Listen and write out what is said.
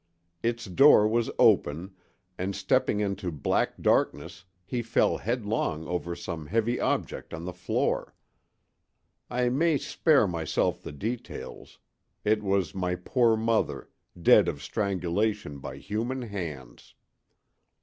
Its door was open, and stepping into black darkness he fell headlong over some heavy object on the floor. I may spare myself the details; it was my poor mother, dead of strangulation by human hands!